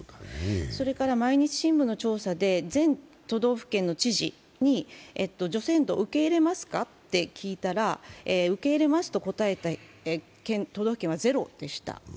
それから「毎日新聞」の調査で全都道府県の知事に除染土を受け入れますかと聞いたら、受け入れますと答えた都道府県はゼロでした。